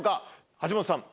橋本さん